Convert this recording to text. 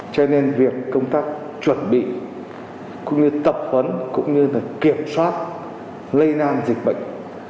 cho nên việc công tác chuẩn bị cũng như tập huấn cũng như kiểm soát lây nan dịch bệnh